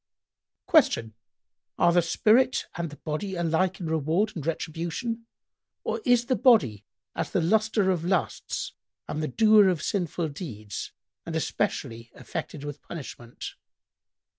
Q "Are the spirit[FN#104] and the body alike in reward and retribution, or is the body, as the luster of lusts and doer of sinful deeds, and especially affected with punishment?"